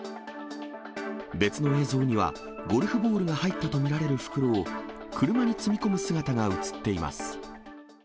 別の映像には、ゴルフボールが入ったと見られる袋を、車に積み込む姿が写っています。